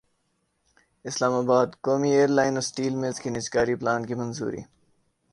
اسلام باد قومی ایئرلائن اور اسٹیل ملزکے نجکاری پلان کی منظوری